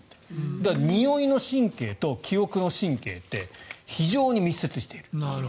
だから、においの神経と記憶の神経って非常に密接している。